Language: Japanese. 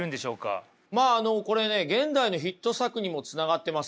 まああのこれね現代のヒット作にもつながってますよ。